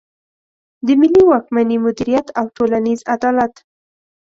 د ملي واکمني مدیریت او ټولنیز عدالت.